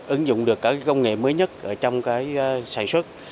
ứng dụng được các công nghệ mới nhất trong cái sản xuất